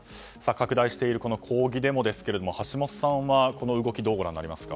拡大している抗議デモですが橋下さんはこの動きどうご覧になりますか？